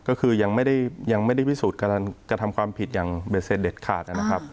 ก็คือยังไม่ได้พิสูจน์การกระทำความผิดอย่างเด็ดขาด